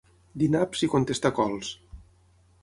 Dir naps i contestar cols.